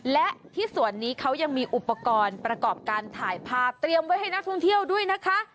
และที่สวนนี้เขายังมีอุปกรณ์ประกอบการถ่ายภาพเตรียมไว้ให้นักท่องเที่ยวด้วยนะคะ